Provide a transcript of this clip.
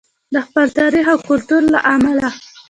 د خپل تاریخ او کلتور له امله.